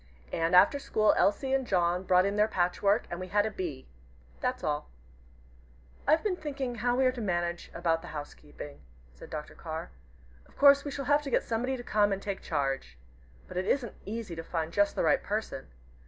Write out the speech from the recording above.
And after school, Elsie and John brought in their patchwork, and we had a 'Bee.' That's all." "I've been thinking how we are to manage about the housekeeping," said Dr. Carr. "Of course we shall have to get somebody to come and take charge. But it isn't easy to find just the right person.